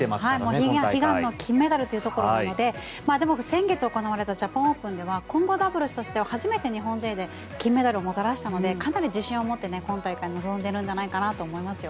悲願の金メダルなのででも、先月行われたジャパンオープンでは混合ダブルスとしては初めて日本勢に金メダルをもたらしたのでかなり自信を持って今大会に臨んでいるんじゃないかと思いますよ。